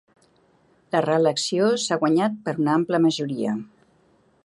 La reelecció s'ha guanyat per una ampla majoria